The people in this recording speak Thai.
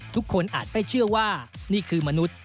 ทุกคนอาจไปเชื่อว่านี่คือมนุษย์